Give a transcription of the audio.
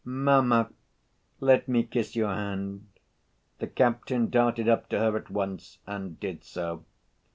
"Mamma, let me kiss your hand." The captain darted up to her at once and did so.